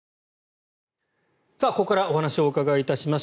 ここからお話をお伺いいたします。